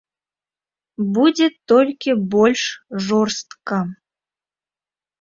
Будзе толькі больш жорстка.